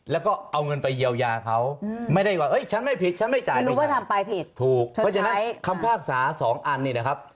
แล้วก็เอาเงินไปเยียวยาเขาไม่ได้ว่าฉันไม่ผิดฉันไม่จ่ายไปถูกก็ฉะนั้นคำภาคสารสองอันนี้นะครับ